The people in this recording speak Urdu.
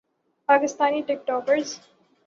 پاکستانی ٹک ٹاکر